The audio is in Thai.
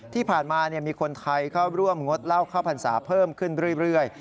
ที่ผ่านมามีคนไทยเข้าร่วมงดเหล้าเข้าพรรษาเพิ่มขึ้นเรื่อย